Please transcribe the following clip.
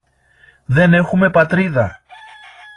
Δεν έχουμε Πατρίδα!